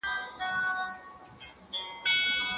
زما خوښي د ښار د ښكلو په خندا كي اوسي